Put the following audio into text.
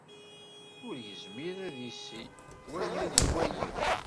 Ur yezmir ad isel, wala ad iwali.